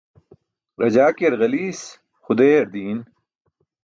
Rajaakiyar ġaliis, xudeeyar diin.